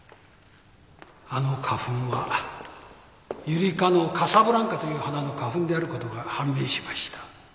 あの花粉はユリ科のカサブランカという花の花粉であることが判明しました。